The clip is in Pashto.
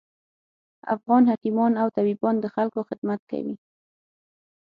افغان حکیمان او طبیبان د خلکوخدمت کوي